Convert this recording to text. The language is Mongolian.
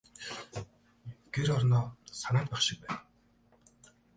Гэр орноо санаад байх шиг байна.